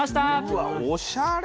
うわっおしゃれ！